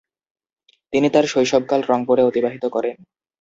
তিনি তার শৈশবকাল রংপুরে অতিবাহিত করেন।